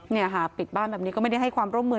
เนี่ยค่ะปิดบ้านแบบนี้ก็ไม่ได้ให้ความร่วมมือ